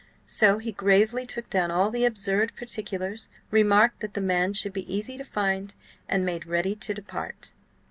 So he gravely took down all the absurd particulars, remarked that the man should be easy to find, and made ready to depart.